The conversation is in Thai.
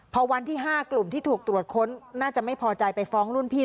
พอวันที่๕กลุ่มที่ถูกตรวจค้นน่าจะไม่พอใจไปฟ้องรุ่นพี่